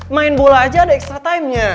main bola aja ada extra time nya